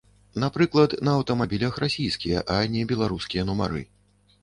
Напрыклад, на аўтамабілях расійскія, а не беларускія нумары.